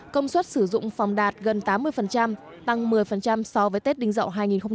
công suất sử dụng phòng đạt gần tám mươi tăng một mươi so với tết đình dậu hai nghìn một mươi bảy